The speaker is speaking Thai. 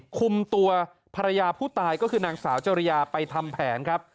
คุมตัวภรรยาผู้ตายก็คือนางสาวจริยาไปทำแผนครับ